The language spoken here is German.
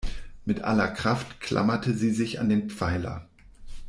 Mit aller Kraft klammerte sie sich an den Pfeiler.